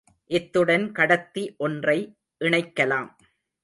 இத்துடன் கடத்தி ஒன்றை இணைக்கலாம்.